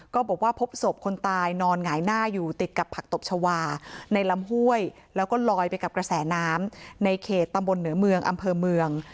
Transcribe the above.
ก็บอกว่าพบศพคนตายนอนหงายหน้าอยู่ติดกับผักตบชาวาในลำห้วยแล้วก็ลอยไปกับกระแสน้ำในเขตตำบลเหนือเมืองอำเภอเมือง